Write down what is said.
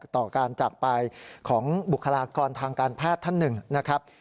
ต่อการจากไปของบุคลากรทางการแพทย์ท่านหนึ่งนะครับ